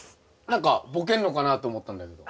何かボケんのかなと思ったんだけど。